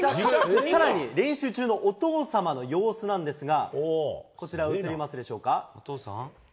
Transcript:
さらに練習中のお父様の様子なんですが、こちら映りますでしょうお父さん？